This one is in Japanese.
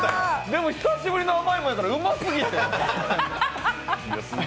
でも、久しぶりの甘いもんやからうますぎて。